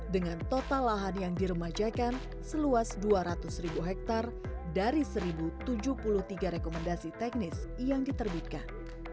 dengan total lahan yang diremajakan seluas dua ratus ribu hektare dari satu tujuh puluh tiga rekomendasi teknis yang diterbitkan